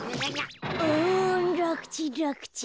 うんらくちんらくちん。